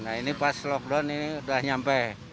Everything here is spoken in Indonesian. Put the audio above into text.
nah ini pas lockdown ini sudah nyampe